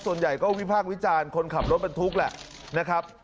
ส่วนใหญ่ก็วิภาควิจารณ์คนขับรถเป็นทุกข์แหละนะครับ